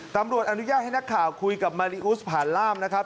ตำรวจอนุญาตให้นักข่าวคุยกับมาริอุสผ่านล่ามนะครับ